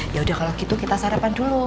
ya udah kalau gitu kita sarapan dulu